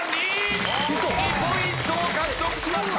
２ポイントを獲得しました。